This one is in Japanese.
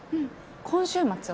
今週末は？